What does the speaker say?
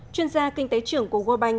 chuyên gia kinh tế trưởng của world bank